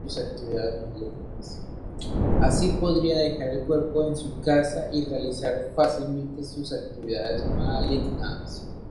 Así podría dejar el cuerpo en su casa y realizar fácilmente sus actividades malignas.